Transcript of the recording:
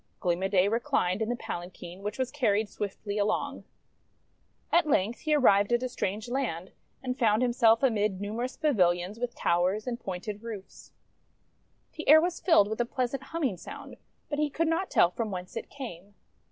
Gleam o' Day reclined in the palanquin, which was carried swiftly along. At length he arrived at a strange land, and found himself amid numerous pavilions with towers and pointed roofs. The air was filled with a pleasant humming sound, but he could not tell from whence it came.